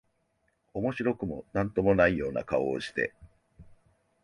面白くも何とも無いような顔をして、